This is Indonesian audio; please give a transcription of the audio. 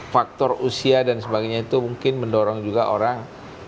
faktor usia dan sebagainya itu mungkin mendorong juga orang